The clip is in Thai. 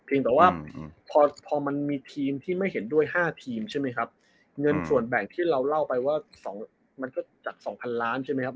แต่ว่าพอพอมันมีทีมที่ไม่เห็นด้วย๕ทีมใช่ไหมครับเงินส่วนแบ่งที่เราเล่าไปว่ามันก็จากสองพันล้านใช่ไหมครับ